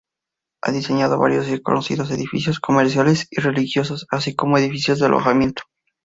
Ha diseñado varios y reconocidos edificios comerciales y religiosos, así como edificios de alojamiento.